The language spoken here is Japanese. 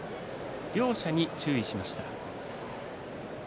両者に注意しました。